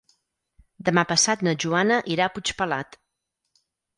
Demà passat na Joana irà a Puigpelat.